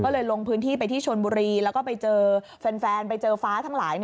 ก็เลยลงพื้นที่ไปที่ชนบุรีแล้วก็ไปเจอแฟนไปเจอฟ้าทั้งหลาย